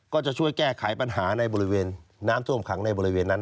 ก็จะช่วยแก้ไขปัญหาในบริเวณน้ำท่วมขังในบริเวณนั้น